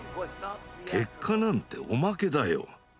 結果なんておまけだよ。